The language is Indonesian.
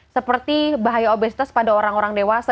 seperti bahaya obesitas pada orang orang dewasa